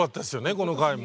この回も。